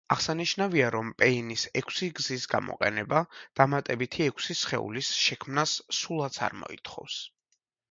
აღსანიშნავია, რომ პეინის ექვსი გზის გამოყენება დამატებითი ექვსი სხეულის შექმნას სულაც არ მოითხოვს.